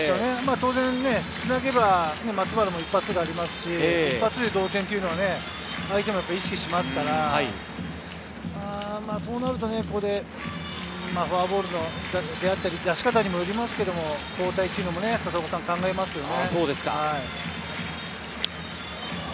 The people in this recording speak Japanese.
当然つなげば松原も一発がありますし、一発で同点というのは相手も意識しますから、そうなるとここでフォアボールであったり、出し方もありますけれど、交代というのも佐々岡さんは考えますよね。